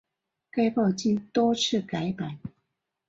该报经多次改版。